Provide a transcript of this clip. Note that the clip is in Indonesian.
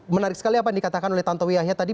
menarik sekali apa yang dikatakan oleh tantowiyahnya tadi